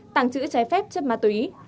tặng chữ trái phép chất ma túy